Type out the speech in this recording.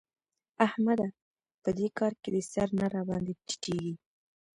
احمده! په دې کار کې دي سر نه راباندې ټيټېږي.